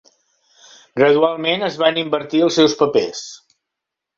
Gradualment es van invertir els seus papers.